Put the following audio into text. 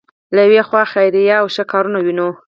له یوې خوا خیریه او ښه کارونه وینو.